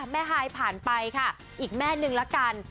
ฮายผ่านไปค่ะอีกแม่นึงละกัน